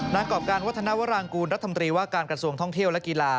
กรอบการวัฒนวรางกูลรัฐมนตรีว่าการกระทรวงท่องเที่ยวและกีฬา